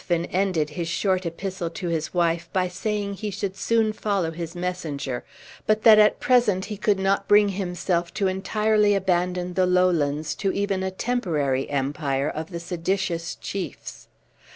Ruthven ended his short epistle to his wife by saying he should soon follow his messenger; but that at present he could not bring himself to entirely abandon the Lowlands to even a temporary empire of the seditious chiefs.